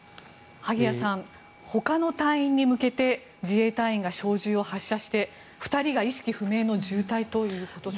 萩谷さんほかの隊員に向けて自衛隊員が小銃を発射して２人が意識不明の重体ということです。